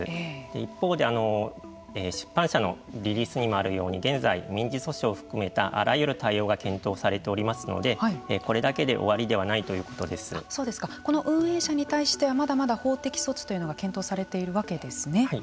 一方で、出版社のリリースにもあるように現在民事訴訟を含めたあらゆる対応が検討されておりますのでこれだけでこの運営者に対してはまだまだ法的措置というのが検討されているわけですね。